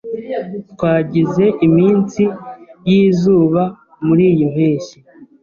Twagize iminsi yizuba muriyi mpeshyi.